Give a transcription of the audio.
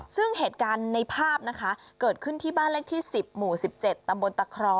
ซึ่งเหตุการณ์ในภาพนะคะเกิดขึ้นที่บ้านเลขที่๑๐หมู่๑๗ตำบลตะครอ